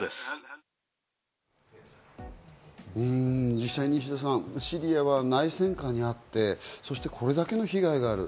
実際にシリアは内戦下にあって、そしてこれだけの被害がある。